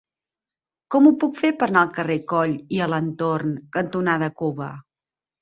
Com ho puc fer per anar al carrer Coll i Alentorn cantonada Cuba?